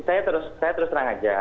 ya jadi saya terus serang aja